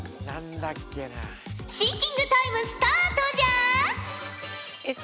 シンキングタイムスタートじゃ！